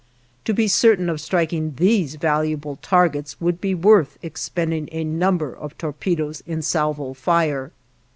To be certain of striking these valuable targets would be worth expending a number of torpedoes in salvo fire.